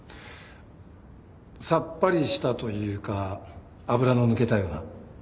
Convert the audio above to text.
さっぱりしたというか脂の抜けたような。